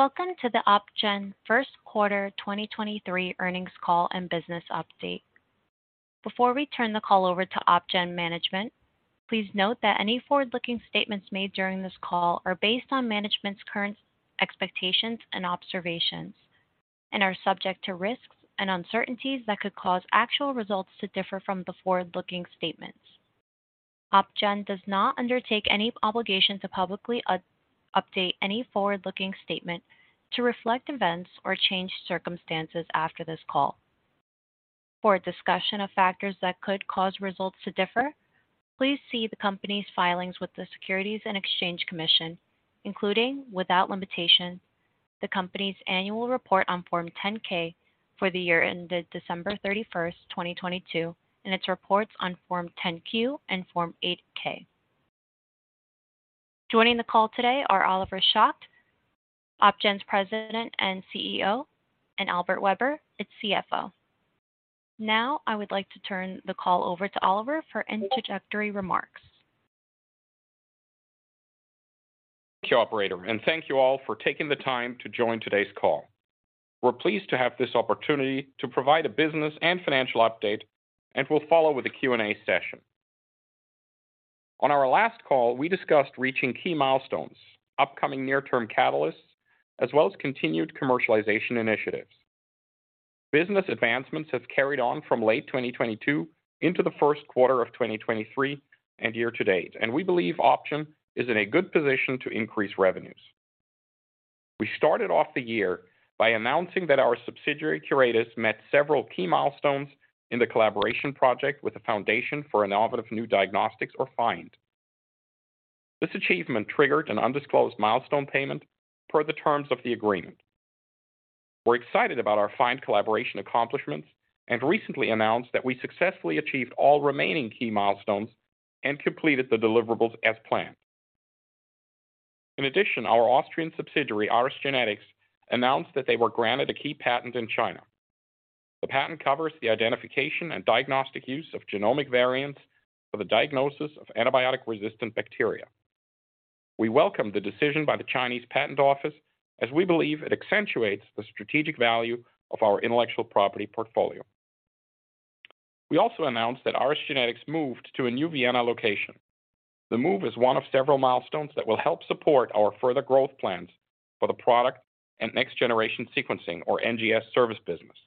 Welcome to the OpGen First Quarter 2023 Earnings Call and Business Update. Before we turn the call over to OpGen management, please note that any forward-looking statements made during this call are based on management's current expectations and observations and are subject to risks and uncertainties that could cause actual results to differ from the forward-looking statements. OpGen does not undertake any obligation to publicly update any forward-looking statement to reflect events or change circumstances after this call. For a discussion of factors that could cause results to differ, please see the company's filings with the Securities and Exchange Commission, including, without limitation, the company's annual report on Form 10-K for the year ended December 31st, 2022, and its reports on Form 10-Q and Form 8-K. Joining the call today are Oliver Schacht, OpGen's President and CEO, and Albert Weber, its CFO. I would like to turn the call over to Oliver for introductory remarks. Thank you operator thank you all for taking the time to join today's call. We're pleased to have this opportunity to provide a business and financial update, and we'll follow with a Q&A session. On our last call, we discussed reaching key milestones, upcoming near-term catalysts, as well as continued commercialization initiatives. Business advancements have carried on from late 2022 into the first quarter of 2023 and year to date, and we believe OpGen is in a good position to increase revenues. We started off the year by announcing that our subsidiary, Curetis, met several key milestones in the collaboration project with the Foundation for Innovative New Diagnostics, or FIND. This achievement triggered an undisclosed milestone payment per the terms of the agreement. We're excited about our FIND Collaboration accomplishments and recently announced that we successfully achieved all remaining key milestones and completed the deliverables as planned. In addition, our Austrian subsidiary, Ares Genetics, announced that they were granted a key patent in China. The patent covers the identification and diagnostic use of genomic variants for the diagnosis of antibiotic-resistant bacteria. We welcome the decision by the China National Intellectual Property Administration as we believe it accentuates the strategic value of our intellectual property portfolio. We also announced that Ares Genetics moved to a new Vienna location. The move is one of several milestones that will help support our further growth plans for the product and Next-Generation Sequencing, or NGS service business.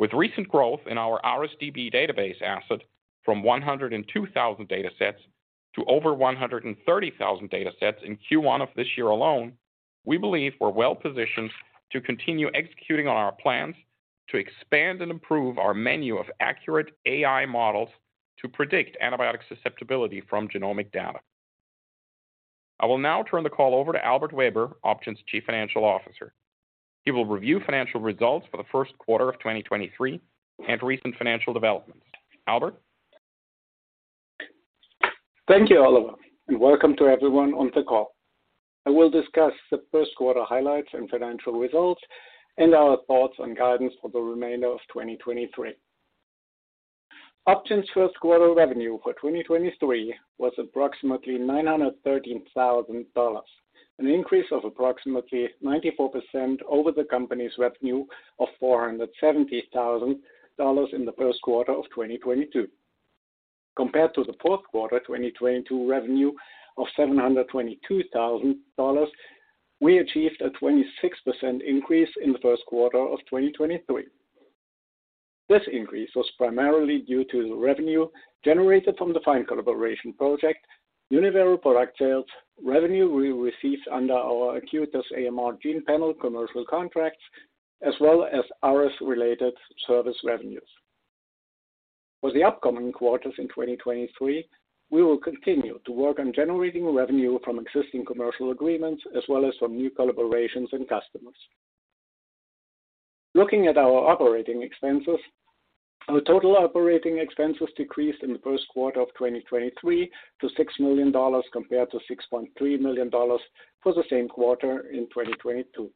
With recent growth in our ARESdb database asset from 102,000 datasets to over 130,000 datasets in Q1 of this year alone, we believe we're well positioned to continue executing on our plans to expand and improve our menu of accurate AI models to predict antibiotic susceptibility from genomic data. I will now turn the call over to Albert Weber, OpGen's Chief Financial Officer. He will review financial results for the first quarter of 2023 and recent financial developments. Albert. Thank you Oliver welcome to everyone on the call. I will discuss the first quarter highlights and financial results and our thoughts on guidance for the remainder of 2023. OpGen's first quarter revenue for 2023 was approximately $913,000, an increase of approximately 94% over the company's revenue of $470,000 in the first quarter of 2022. Compared to the fourth quarter 2022 revenue of $722,000, we achieved a 26% increase in the first quarter of 2023. This increase was primarily due to revenue generated from the FIND Collaboration project, Unyvero product sales revenue we received under our Acuitas AMR Gene Panel commercial contracts, as well as ARES-related service revenues. For the upcoming quarters in 2023, we will continue to work on generating revenue from existing commercial agreements as well as from new collaborations and customers. Looking at our operating expenses, our total operating expenses decreased in the first quarter of 2023 to $6 million compared to $6.3 million for the same quarter in 2022.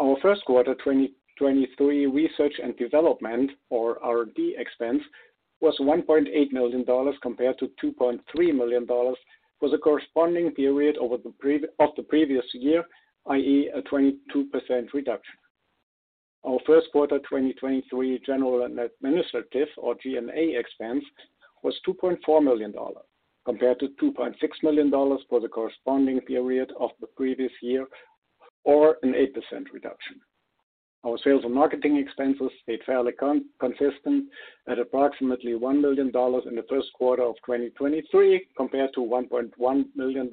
Our first quarter 2023 Research and Development or R&D expense was $1.8 million compared to $2.3 million for the corresponding period of the previous year, i.e., a 22% reduction. Our first quarter 2023 General and Administrative or G&A expense was $2.4 million compared to $2.6 million for the corresponding period of the previous year, or an 8% reduction. Our sales and marketing expenses stayed fairly consistent at approximately $1 million in the first quarter of 2023 compared to $1.1 million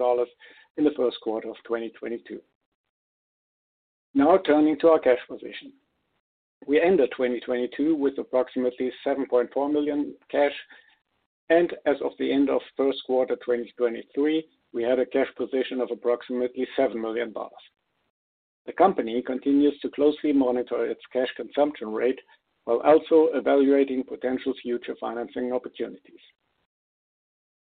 in the first quarter of 2022. Turning to our Cash Position. We ended 2022 with approximately $7.4 million cash and as of the end of first quarter 2023, we had a Cash Position of approximately $7 million. The company continues to closely monitor its cash consumption rate while also evaluating potential future financing opportunities.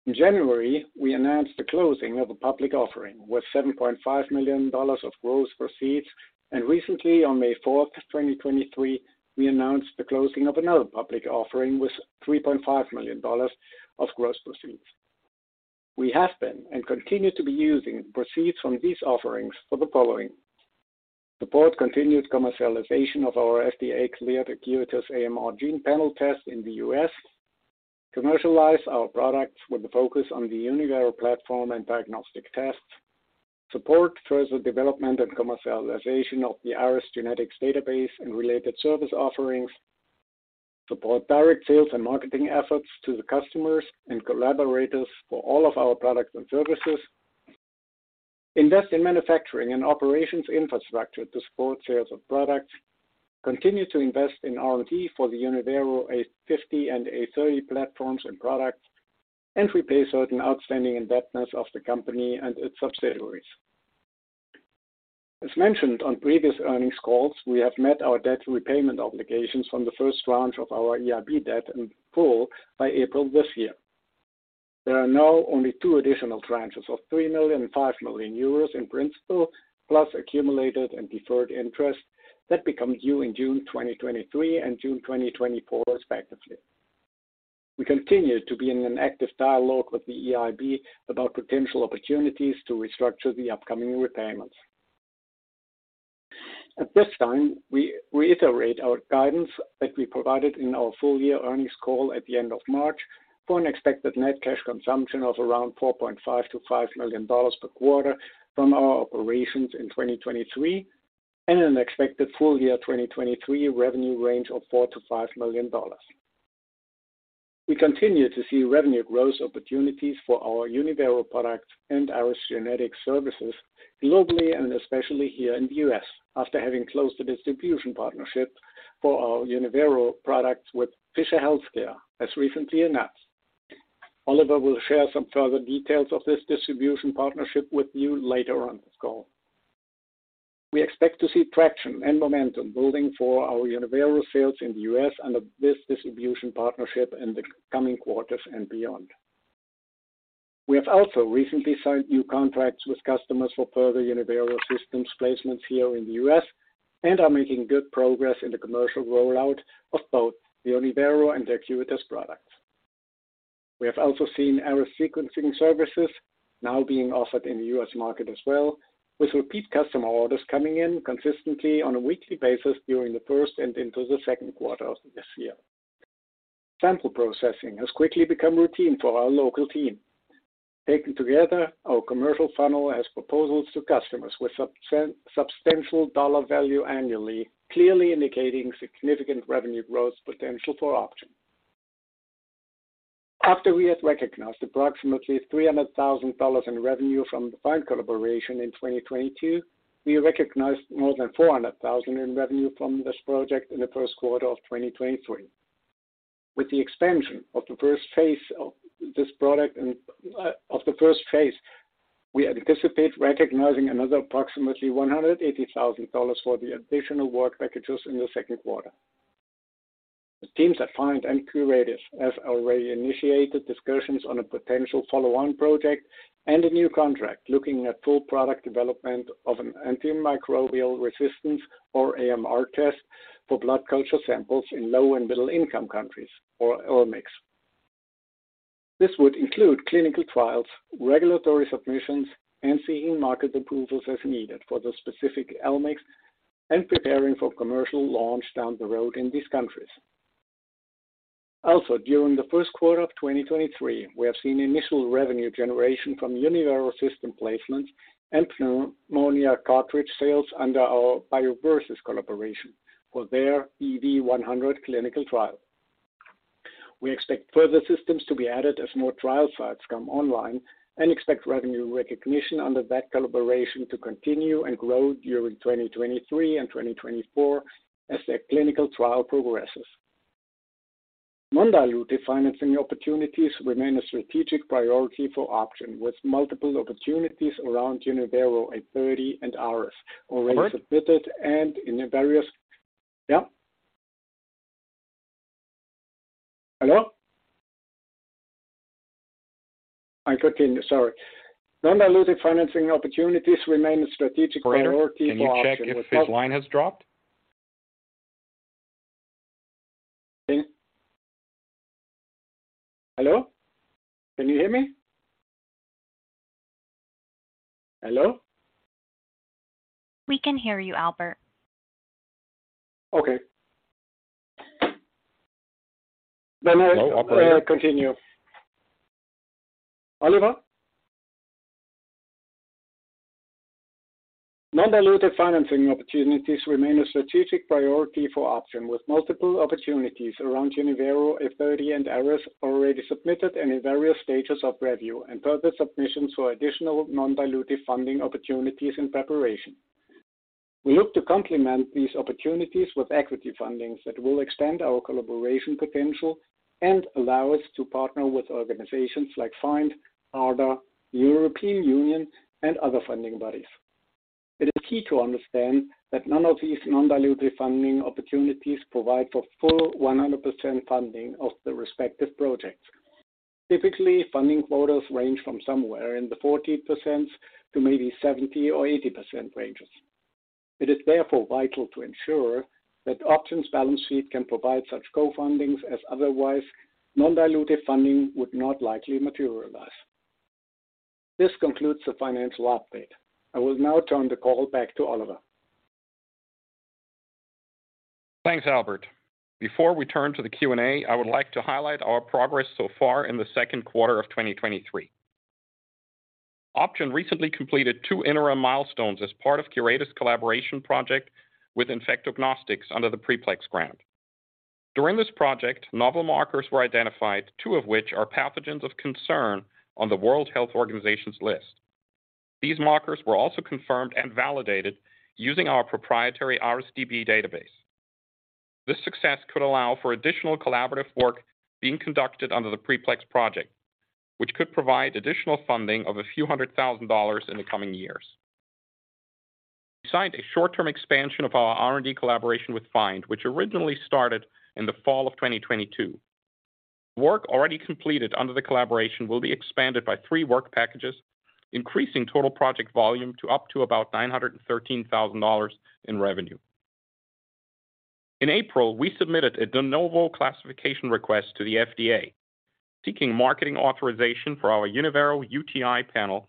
In January, we announced the closing of a public offering with $7.5 million of gross proceeds, and recently on May 4, 2023, we announced the closing of another public offering with $3.5 million of gross proceeds. We have been and continue to be using proceeds from these offerings for the following: support continued commercialization of our FDA-cleared Acuitas AMR Gene Panel in the U.S, commercialize our products with the focus on the Unyvero platform and diagnostic tests, support further development and commercialization of the Ares Genetics database and related service offerings, support direct sales and marketing efforts to the customers and collaborators for all of our products and services, invest in manufacturing and operations infrastructure to support sales of products, continue to invest in R&D for the Unyvero A50 and A30 platforms and products, and repay certain outstanding indebtedness of the company and its subsidiaries. As mentioned on previous earnings calls, we have met our debt repayment obligations from the first tranche of our EIB debt in full by April this year. There are now only two additional tranches of 3 million and 5 million euros in principal plus accumulated and deferred interest that become due in June 2023 and June 2024 respectively. We continue to be in an active dialogue with the EIB about potential opportunities to restructure the upcoming repayments. At this time, we reiterate our guidance that we provided in our full year earnings call at the end of March for an expected net cash consumption of around $4.5 million-$5 million per quarter from our operations in 2023 and an expected full year 2023 revenue range of $4 million-$5 million. We continue to see revenue growth opportunities for our Unyvero products and Ares Genetics services globally and especially here in the U.S. after having closed the distribution partnership for our Unyvero products with Fisher Healthcare as recently announced. Oliver will share some further details of this distribution partnership with you later on this call. We expect to see traction and momentum building for our Unyvero sales in the U.S. under this distribution partnership in the coming quarters and beyond. We have also recently signed new contracts with customers for further Unyvero systems placements here in the U.S. and are making good progress in the commercial rollout of both the Unyvero and Acuitas products. We have also seen ARES sequencing services now being offered in the U.S. market as well, with repeat customer orders coming in consistently on a weekly basis during the first and into the second quarter of this year. Sample processing has quickly become routine for our local team. Taken together, our commercial funnel has proposals to customers with substantial dollar value annually, clearly indicating significant revenue growth potential for OpGen. After we had recognized approximately $300,000 in revenue from the FIND Collaboration in 2022, we recognized more than $400,000 in revenue from this project in the first quarter of 2023. With the expansion of the phase I of this product and of the first phase, we anticipate recognizing another approximately $180,000 for the additional work packages in the second quarter. The teams at FIND and Curetis have already initiated discussions on a potential follow-on project and a new contract looking at full product development of an Antimicrobial Resistance or AMR test for blood culture samples in Low-and Middle-Income Countries or LMICs. This would include clinical trials, regulatory submissions, and seeking market approvals as needed for the specific LMICs and preparing for commercial launch down the road in these countries. During the first quarter of 2023, we have seen initial revenue generation from Unyvero system placements and Pneumonia Cartridge sales under our BioVersys collaboration for their BV100 clinical trial. We expect further systems to be added as more trial sites come online and expect revenue recognition under that collaboration to continue and grow during 2023 and 2024 as their clinical trial progresses. Non-dilutive financing opportunities remain a strategic priority for OpGen with multiple opportunities around Unyvero A30 and ARES already submitted. Operator, can you check if his line has dropped? Hello? Can you hear me? Hello? We can hear you, Albert. Okay. No, operator. Continue. Oliver, Non-dilutive financing opportunities remain a strategic priority for OpGen, with multiple opportunities around Unyvero A30 and ARES already submitted and in various stages of review and further submissions for additional non-dilutive funding opportunities in preparation. We look to complement these opportunities with equity fundings that will extend our collaboration potential and allow us to partner with organizations like FIND, BARDA, European Union, and other funding bodies. It is key to understand that none of these non-dilutive funding opportunities provide for full 100% funding of the respective projects. Typically, funding quotas range from somewhere in the 40% to maybe 70% or 80% ranges. It is therefore vital to ensure that OpGen's balance sheet can provide such co-fundings, as otherwise non-dilutive funding would not likely materialize. This concludes the financial update. I will now turn the call back to Oliver. Thanks Albert before we turn to the Q&A, I would like to highlight our progress so far in the second quarter of 2023. OpGen recently completed two interim milestones as part of Curetis' collaboration project with InfectoGnostics under the PREPLEX grant. During this project, novel markers were identified, two of which are pathogens of concern on the World Health Organization's list. These markers were also confirmed and validated using our proprietary ARESdb database. This success could allow for additional collaborative work being conducted under the PREPLEX project, which could provide additional funding of a few hundred thousand dollars in the coming years. We signed a short-term expansion of our R&D collaboration with FIND, which originally started in the fall of 2022. Work already completed under the collaboration will be expanded by three work packages, increasing total project volume to up to about $913,000 in revenue. In April, we submitted a De Novo classification request to the FDA, seeking marketing authorization for our Unyvero UTI panel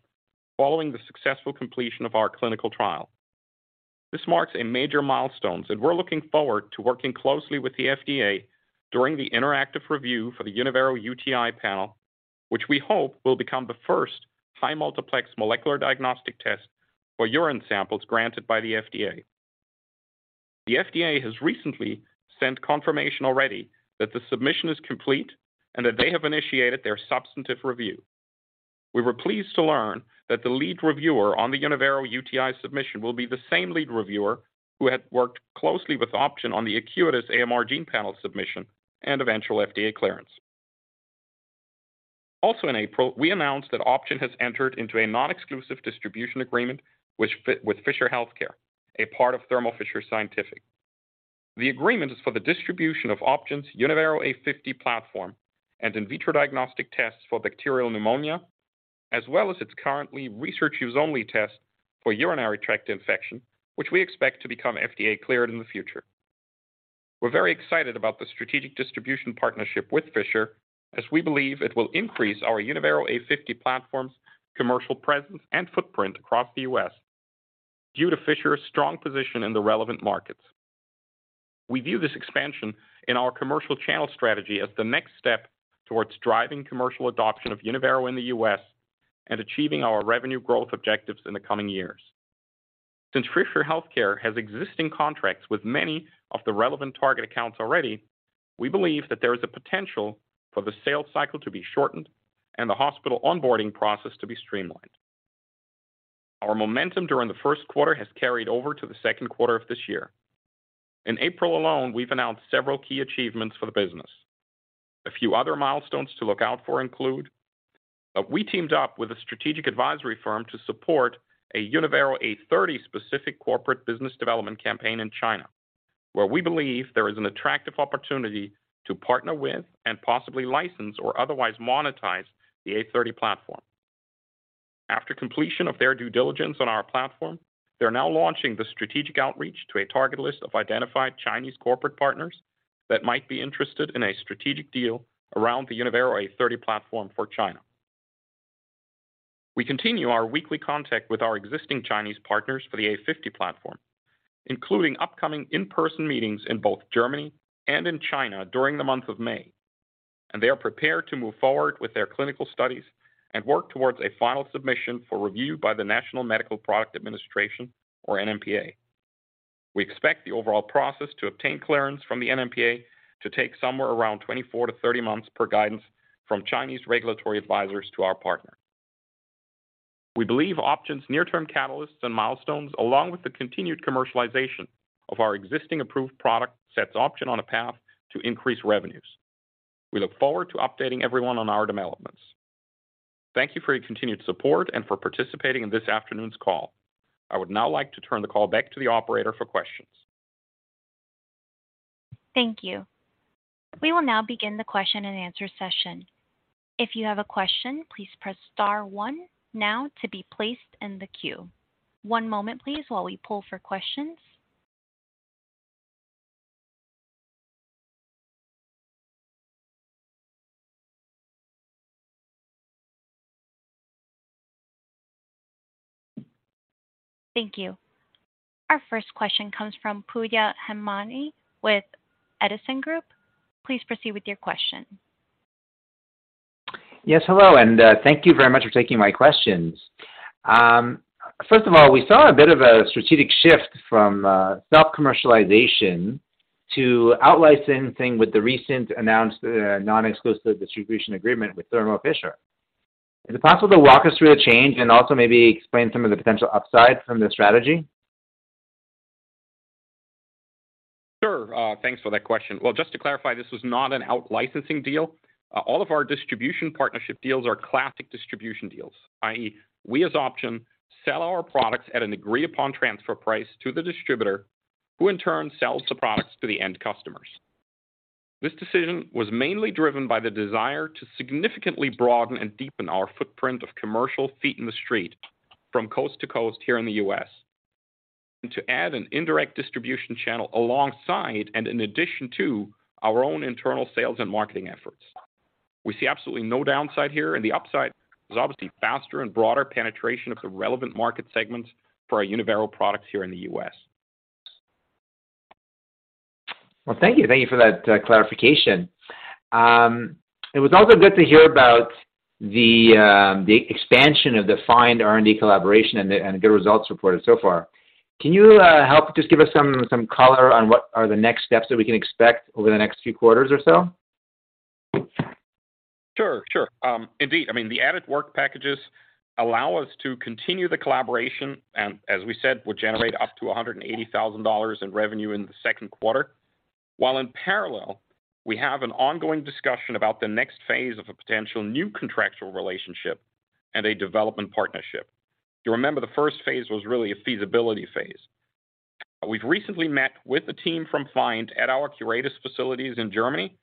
following the successful completion of our clinical trial. This marks a major milestone, and we're looking forward to working closely with the FDA during the interactive review for the Unyvero UTI panel, which we hope will become the first high-multiplex molecular diagnostic test for urine samples granted by the FDA. The FDA has recently sent confirmation already that the submission is complete and that they have initiated their substantive review. We were pleased to learn that the lead reviewer on the Unyvero UTI submission will be the same lead reviewer who had worked closely with OpGen on the Acuitas AMR Gene Panel submission and eventual FDA clearance. In April, we announced that OpGen has entered into a non-exclusive distribution agreement with Fisher Healthcare, a part of Thermo Fisher Scientific. The agreement is for the distribution of OpGen's Unyvero A50 platform and in vitro diagnostic tests for bacterial pneumonia, as well as its currently research use only test for urinary tract infection, which we expect to become FDA cleared in the future. We're very excited about the strategic distribution partnership with Fisher as we believe it will increase our Unyvero A50 platform's commercial presence and footprint across the U.S. due to Fisher's strong position in the relevant markets. We view this expansion in our commercial channel strategy as the next step towards driving commercial adoption of Unyvero in the U.S. and achieving our revenue growth objectives in the coming years. Since Fisher Healthcare has existing contracts with many of the relevant target accounts already, we believe that there is a potential for the sales cycle to be shortened and the hospital onboarding process to be streamlined. Our momentum during the first quarter has carried over to the second quarter of this year. In April alone, we've announced several key achievements for the business. A few other milestones to look out for include that we teamed up with a strategic advisory firm to support a Unyvero A30 specific corporate business development campaign in China, where we believe there is an attractive opportunity to partner with and possibly license or otherwise monetize the A30 platform. After completion of their due diligence on our platform, they're now launching the strategic outreach to a target list of identified Chinese corporate partners that might be interested in a strategic deal around the Unyvero A30 platform for China. We continue our weekly contact with our existing Chinese partners for the Unyvero A50 platform, including upcoming in-person meetings in both Germany and in China during the month of May. They are prepared to move forward with their clinical studies and work towards a final submission for review by the National Medical Products Administration or NMPA. We expect the overall process to obtain clearance from the NMPA to take somewhere around 24 to 30 months per guidance from Chinese regulatory advisors to our partner. We believe OpGen's near-term catalysts and milestones, along with the continued commercialization of our existing approved product, sets OpGen on a path to increase revenues. We look forward to updating everyone on our developments. Thank you for your continued support and for participating in this afternoon's call. I would now like to turn the call back to the operator for questions. Thank you. We will now begin the question and answer session. If you have a question, please press star one now to be placed in the queue. One moment please while we poll for questions. Thank you. Our first question comes from Pooya Hemami with Edison Group. Please proceed with your question. Yes, hello, thank you very much for taking my questions. First of all, we saw a bit of a strategic shift from self-commercialization to out-licensing with the recent announced non-exclusive distribution agreement with Thermo Fisher. Is it possible to walk us through the change and also maybe explain some of the potential upsides from this strategy? Sure thanks for that question. Well, just to clarify, this was not an out-licensing deal. All of our distribution partnership deals are classic distribution deals, i.e., we as OpGen sell our products at an agreed-upon transfer price to the distributor, who in turn sells the products to the end customers. This decision was mainly driven by the desire to significantly broaden and deepen our footprint of commercial feet in the street from coast to coast here in the U.S. To add an indirect distribution channel alongside and in addition to our own internal sales and marketing efforts. We see absolutely no downside here, and the upside is obviously faster and broader penetration of the relevant market segments for our Unyvero products here in the U.S. Well thank you. Thank you for that clarification. It was also good to hear about the expansion of the FIND R&D collaboration and the good results reported so far. Can you help just give us some color on what are the next steps that we can expect over the next few quarters or so? Sure, sure. Indeed I mean, the added work packages allow us to continue the collaboration and as we said, will generate up to $180,000 in revenue in the second quarter. While in parallel, we have an ongoing discussion about the next phase of a potential new contractual relationship and a development partnership. You remember the phase I was really a feasibility phase. We've recently met with the team from FIND at our Curetis facilities in Germany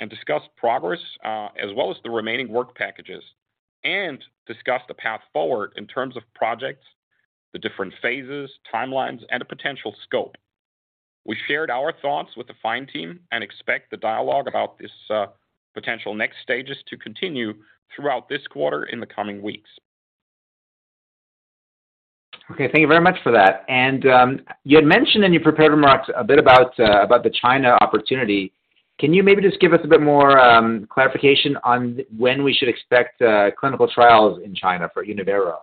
and discussed progress, as well as the remaining work packages and discussed the path forward in terms of projects, the different phases, timelines, and a potential scope. We shared our thoughts with the FIND team and expect the dialogue about this potential next stages to continue throughout this quarter in the coming weeks. Okay thank you very much for that. You had mentioned in your prepared remarks a bit about the China opportunity. Can you maybe just give us a bit more clarification on when we should expect clinical trials in China for Unyvero?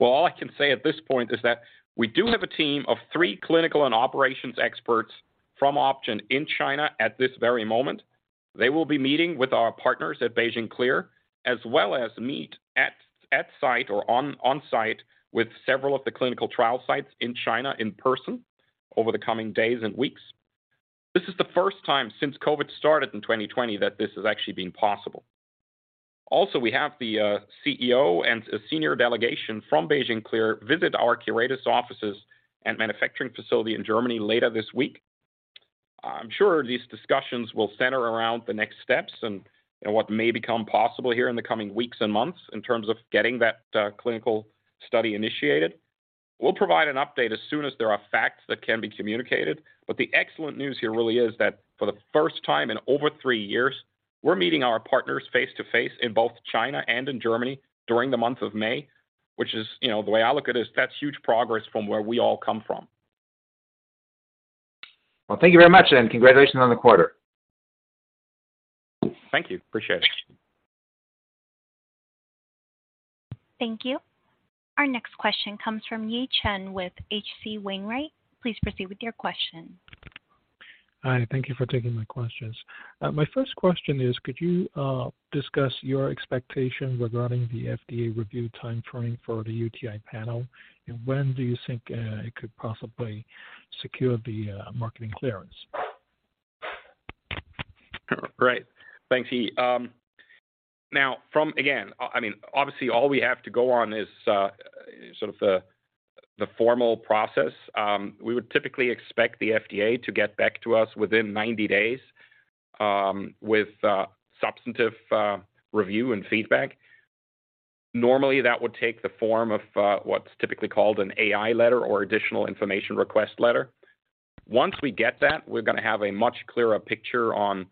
All I can say at this point is that we do have a team of three clinical and operations experts from OpGen in China at this very moment. They will be meeting with our partners at Beijing Clear, as well as meet on-site with several of the clinical trial sites in China in person over the coming days and weeks. This is the first time since COVID started in 2020 that this has actually been possible. We have the CEO and senior delegation from Beijing Clear visit our Curetis offices and manufacturing facility in Germany later this week. I'm sure these discussions will center around the next steps and what may become possible here in the coming weeks and months in terms of getting that clinical study initiated. We'll provide an update as soon as there are facts that can be communicated, but the excellent news here really is that for the first time in over three years, we're meeting our partners face-to-face in both China and in Germany during the month of May, which is you know, the way I look at it, that's huge progress from where we all come from. Well, thank you very much, and congratulations on the quarter. Thank you. Appreciate it. Thank you. Our next question comes from Yi Chen with H.C. Wainwright. Please proceed with your question. Hi, thank you for taking my questions. My first question is, could you discuss your expectation regarding the FDA review timeframe for the UTI panel? When do you think it could possibly secure the marketing clearance? Great thanks Yi mean, obviously, all we have to go on is sort of the formal process. We would typically expect the FDA to get back to us within 90 days with substantive review and feedback. Normally, that would take the form of what's typically called an AI letter or additional information request letter. Once we get that, we're gonna have a much clearer picture on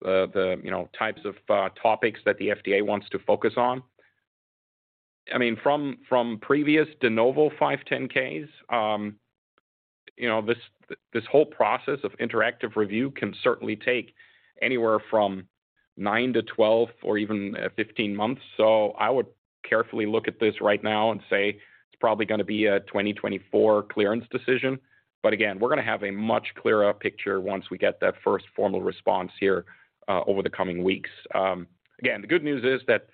the, you know, types of topics that the FDA wants to focus on. I mean, from previous De Novo 510(k)s, you know, this whole process of interactive review can certainly take anywhere from 9-12 or even 15 months. I would carefully look at this right now and say it's probably gonna be a 2024 clearance decision. Again, we're gonna have a much clearer picture once we get that first formal response here over the coming weeks. Again, the good news is that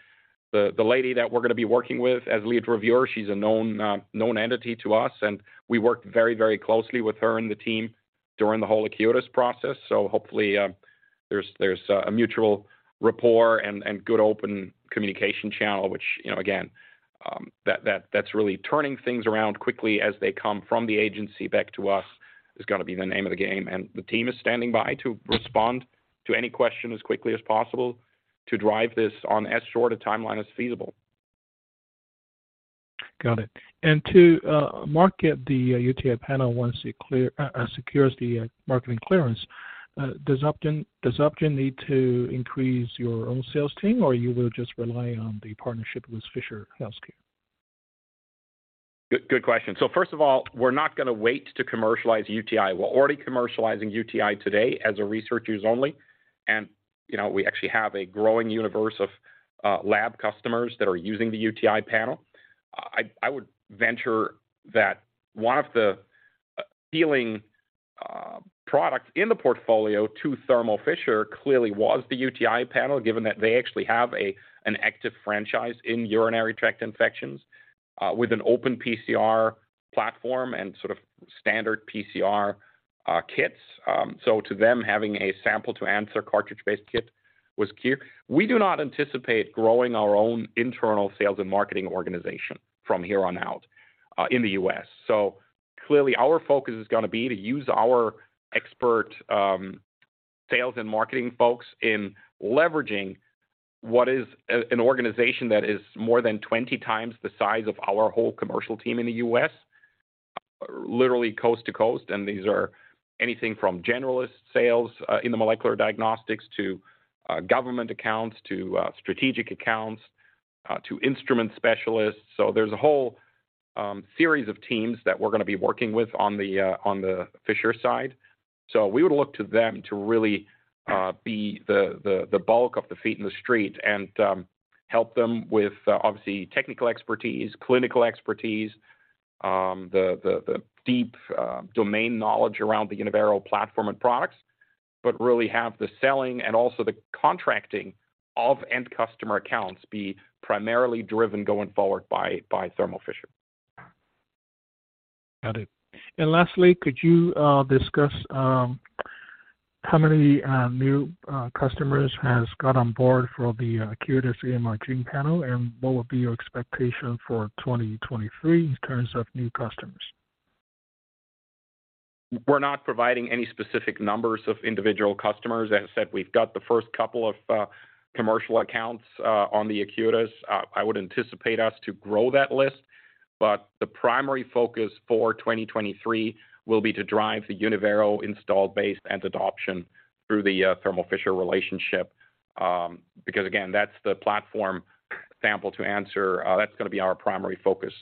the lady that we're gonna be working with as lead reviewer, she's a known entity to us, and we worked very, very closely with her and the team during the whole Acuitas process. Hopefully, there's a mutual rapport and good open communication channel, which, you know, again, that's really turning things around quickly as they come from the agency back to us is gonna be the name of the game. The team is standing by to respond to any question as quickly as possible to drive this on as short a timeline as feasible. Got it to market the UTI panel once it clear, secures the marketing clearance, does OpGen need to increase your own sales team, or you will just rely on the partnership with Fisher Healthcare? First of all, we're not gonna wait to commercialize UTI. We're already commercializing UTI today as a research use only. You know, we actually have a growing universe of lab customers that are using the UTI panel. I would venture that one of the appealing product in the portfolio to Thermo Fisher clearly was the UTI panel, given that they actually have an active franchise in urinary tract infections with an open PCR platform and sort of standard PCR kits. To them, having a sample to answer cartridge-based kit was clear. We do not anticipate growing our own internal sales and marketing organization from here on out, in the U.S. Clearly our focus is gonna be to use our expert sales and marketing folks in leveraging what is an organization that is more than 20 times the size of our whole commercial team in the U.S., literally coast to coast. These are anything from generalist sales in the molecular diagnostics to government accounts, to strategic accounts, to instrument specialists. There's a whole series of teams that we're gonna be working with on the Fisher side. We would look to them to really be the bulk of the feet in the street and help them with obviously technical expertise, clinical expertise, the deep domain knowledge around the Unyvero platform and products, but really have the selling and also the contracting of end customer accounts be primarily driven going forward by Thermo Fisher. Lastly, could you discuss how many new customers has got on board for the Acuitas AMR Gene Panel, and what would be your expectation for 2023 in terms of new customers? We're not providing any specific numbers of individual customers. As I said, we've got the first couple of commercial accounts on the Acuitas. I would anticipate us to grow that list. The primary focus for 2023 will be to drive the Unyvero installed base and adoption through the Thermo Fisher relationship, because again, that's the platform sample to answer. That's gonna be our primary focus.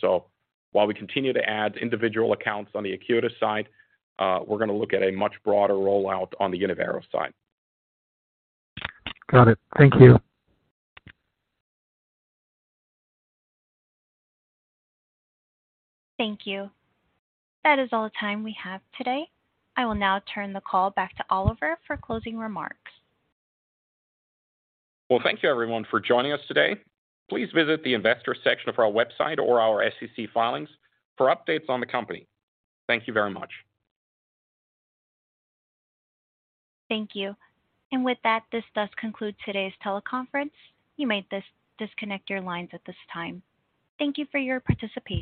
While we continue to add individual accounts on the Acuitas side, we're gonna look at a much broader rollout on the Unyvero side. Got it. Thank you. Thank you. That is all the time we have today. I will now turn the call back to Oliver for closing remarks. Well, thank you everyone for joining us today. Please visit the investor section of our website or our SEC filings for updates on the company. Thank you very much. Thank you. With that, this does conclude today's teleconference. You may disconnect your lines at this time. Thank you for your participation.